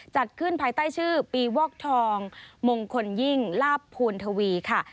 จัดขึ้นภายใต้ชื่อปีวอกทองมงคลยิ่งลาบภูณทวีค่ะ